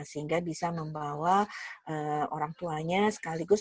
sehingga bisa membawa orang tuanya sekaligus